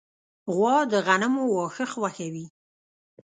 غوا د غنمو واښه خوښوي.